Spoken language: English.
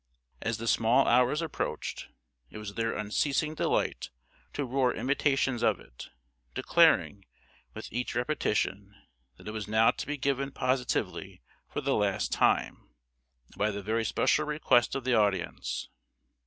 As the small hours approached, it was their unceasing delight to roar imitations of it, declaring, with each repetition, that it was now to be given positively for the last time, and by the very special request of the audience.